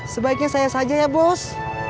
sebaiknya saya saja ya bos